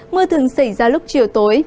mưa thường xảy ra lúc chiều tối